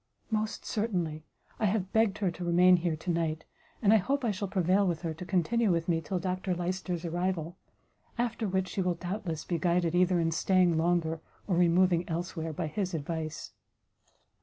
"Most certainly; I have begged her to remain here to night, and I hope I shall prevail with her to continue with me till Dr Lyster's arrival; after which she will, doubtless, be guided either in staying longer, or removing elsewhere, by his advice."